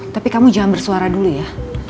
tapi kamu jangan bersuara dulu ya